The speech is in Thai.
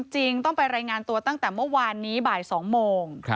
จริงต้องไปรายงานตัวตั้งแต่เมื่อวานนี้บ่าย๒โมง